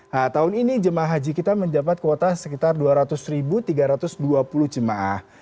nah tahun ini jemaah haji kita mendapat kuota sekitar dua ratus tiga ratus dua puluh jemaah